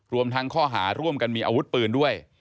รวมทั้งข้อหาร่วมกันมีอาวุธปืนด้วย